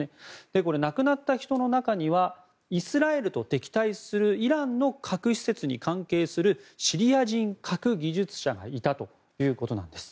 これ、亡くなった人の中にはイスラエルと敵対するイランの核施設に関係するシリア人核技術者がいたということなんです。